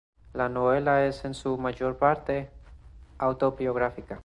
La novela es en su mayor parte autobiográfica.